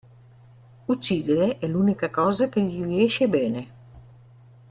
Uccidere è l'unica cosa che gli riesce bene.